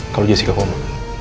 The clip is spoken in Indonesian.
kalau jessica koma